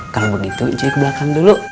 kalau begitu jadi ke belakang dulu